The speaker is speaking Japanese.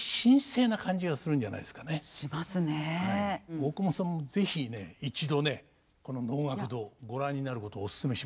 大久保さんも是非一度ねこの能楽堂ご覧になることオススメしますよ。